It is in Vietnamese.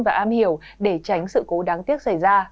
và am hiểu để tránh sự cố đáng tiếc xảy ra